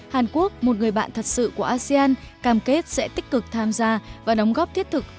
hàn quốc một người bạn thật sự của asean cam kết sẽ tích cực tham gia và đóng góp thiết thực